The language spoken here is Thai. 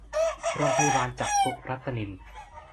โรงพยาบาลจักษุรัตนิน